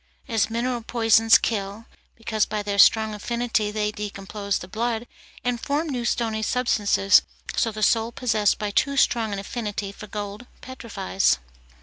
As mineral poisons kill, because by their strong affinity they decompose the blood and form new stony substances, so the soul possessed by too strong an affinity for gold petrifies.